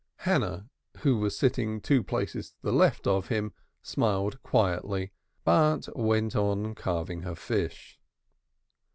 Hannah, who was sitting two places to the left of him, smiled quietly, but went on carving her fish.